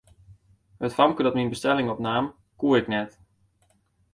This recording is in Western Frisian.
It famke dat myn bestelling opnaam, koe ik net.